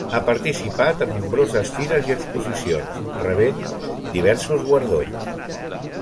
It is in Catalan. Ha participat a nombroses fires i exposicions, rebent diversos guardons.